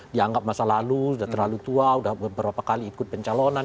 dianggap masa lalu sudah terlalu tua sudah beberapa kali ikut pencalonan